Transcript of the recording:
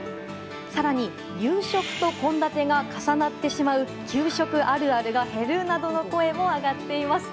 更に、夕食と献立が重なってしまう給食あるあるが減るなどの声も上がっています。